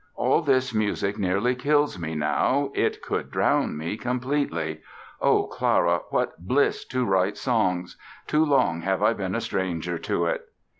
All this music nearly kills me now, it could drown me completely. Oh, Clara, what bliss to write songs! Too long have I been a stranger to it".